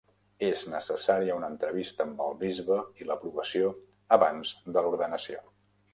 És necessària una entrevista amb el bisbe i l'aprovació abans de l'ordenació.